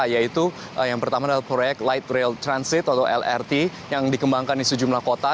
yaitu yang pertama adalah proyek light rail transit atau lrt yang dikembangkan di sejumlah kota